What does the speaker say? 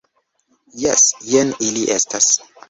Jes; jen ili estas.